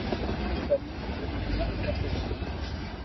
Famille originaire des Quatre-Vallées.